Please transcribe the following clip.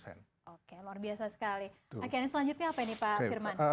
akhirnya selanjutnya apa ini pak firman